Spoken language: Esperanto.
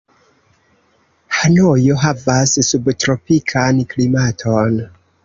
Hanojo havas subtropikan klimaton.